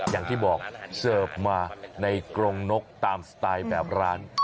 อย่างที่บอกเสิร์ฟมาในกรงนกตามสไตล์แบบร้าน